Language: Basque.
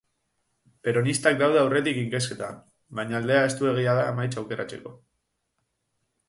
Peronistak daude aurretik inkestetan, baina aldea estuegia da emaitza aurreratzeko.